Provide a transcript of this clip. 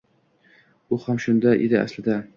U ham shunda edi aslida.